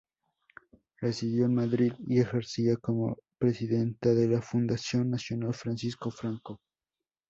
Residió en Madrid y ejercía como presidenta de la Fundación Nacional Francisco Franco.